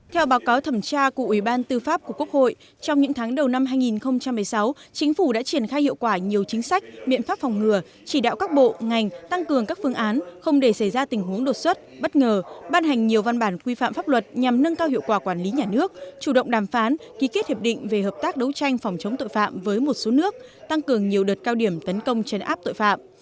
theo báo cáo thẩm tra của ủy ban tư pháp của quốc hội trong những tháng đầu năm hai nghìn một mươi sáu chính phủ đã triển khai hiệu quả nhiều chính sách miệng pháp phòng ngừa chỉ đạo các bộ ngành tăng cường các phương án không để xảy ra tình huống đột xuất bất ngờ ban hành nhiều văn bản quy phạm pháp luật nhằm nâng cao hiệu quả quản lý nhà nước chủ động đàm phán ký kết hiệp định về hợp tác đấu tranh phòng chống tội phạm với một số nước tăng cường nhiều đợt cao điểm tấn công chấn áp tội phạm